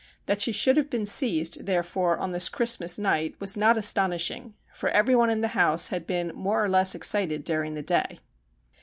That she should have been seized, there fore, on this Christmas night was not astonishing, for every one in the house had been more or less excited during the day.